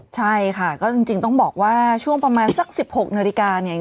ใช่ค่ะก็จริงต้องบอกว่าช่วงประมาณสัก๑๖นาฬิกาเนี่ย